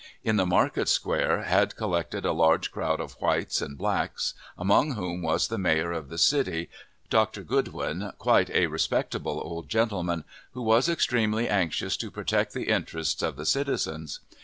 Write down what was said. In the market square had collected a large crowd of whites and blacks, among whom was the mayor of the city, Dr. Goodwin, quite a respectable old gentleman, who was extremely anxious to protect the interests of the citizens.